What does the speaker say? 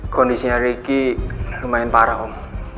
kondisinya ricky lumayan parah om